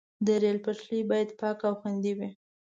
د ریل پټلۍ باید پاکه او خوندي وي.